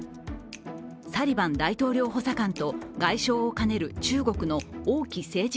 サリバン大統領補佐官と外相を兼ねる中国の王毅政治